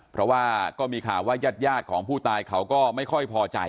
เพราะว่าก็มีข่าวว่ายาดของผู้ตายเขาก็ไม่ค่อยพอใจ